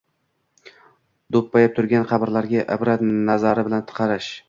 Do‘ppayib turgan qabrlarga ibrat nazari bilan qarash